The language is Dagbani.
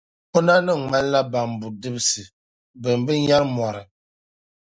O nanim’ ŋmanila bambu’ dibisi bɛn bi nyari mɔri.